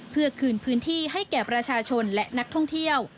เพื่อคืนพื้นที่ให้แก่ประชาชนและนักท่องเที่ยว